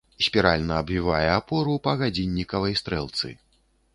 Спіральна абвівае апору па гадзіннікавай стрэлцы.